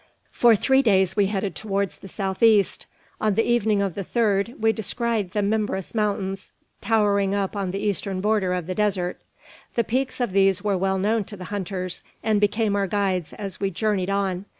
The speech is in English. For three days we headed towards the south east. On the evening of the third we descried the Mimbres Mountains towering up on the eastern border of the desert. The peaks of these were well known to the hunters, and became our guides as we journeyed on.